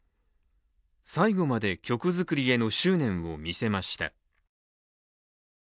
最後まで曲作りへの執念を見せました。